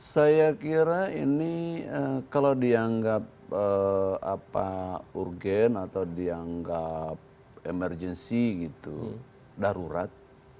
saya kira ini kalau dianggap urgen atau dianggap emergency gitu darurat